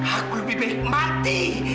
aku lebih baik mati